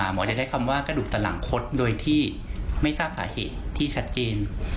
หมอได้ใช้คำว่ากระดูกตะหลังคดโดยที่ไม่ทราบสาเหตุที่ชัดเจน